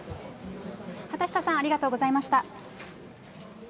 畑下さん、ありがとうございました。